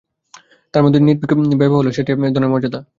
তার মধ্যে যে নির্ভীক ব্যয়বাহুল্য, সেইটেতেই ধনের মর্যাদা।